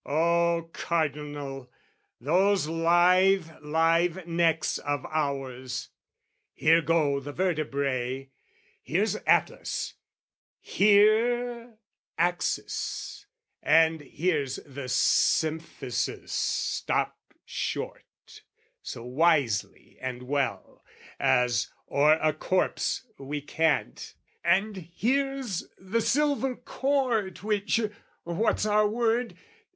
Oh Cardinal, those lithe live necks of ours! Here go the vertebrAe, here's Atlas, here Axis, and here the symphyses stop short, So wisely and well, as, o'er a corpse, we cant, And here's the silver cord which...what's our word?